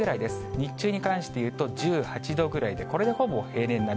日中に関していうと１８度ぐらいで、これでほぼ平年並み。